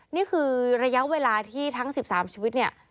นี่คือระยะเวลาที่ทั้ง๑๓ชีวิตเนี่ย